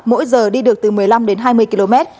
mỗi giờ đi được từ một mươi năm đến hai mươi km